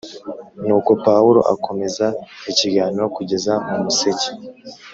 Nuko Pawulo akomeza ikiganiro kugeza mu museke